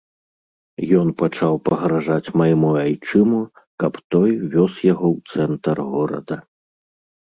Ён пачаў пагражаць майму айчыму, каб той вёз яго ў цэнтр горада.